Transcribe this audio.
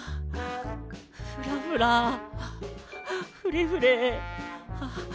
「フラフラ」「フレフレ」。